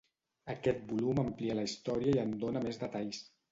Aquest volum amplia la història i en dóna més detalls.